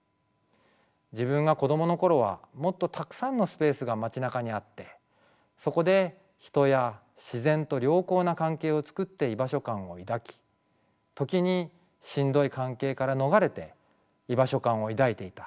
自分が子供のころはもっとたくさんのスペースが町なかにあってそこで人や自然と良好な関係をつくって居場所感を抱き時にしんどい関係から逃れて居場所感を抱いていた。